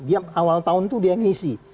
dia awal tahun itu dia ngisi